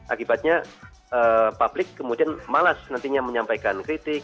akibatnya publik kemudian malas nantinya menyampaikan kritik